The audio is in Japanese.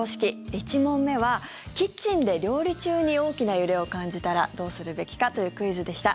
１問目は、キッチンで料理中に大きな揺れを感じたらどうするべきかというクイズでした。